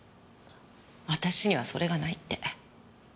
私にはそれがないって。